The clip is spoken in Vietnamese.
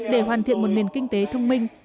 để hoàn thiện một nền kinh tế thông minh